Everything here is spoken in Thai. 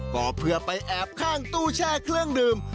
ก็เพื่อไปแอบข้างตู้แช่เครื่องดื่ม